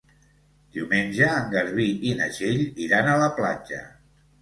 Diumenge en Garbí i na Txell iran a la platja.